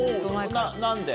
何で？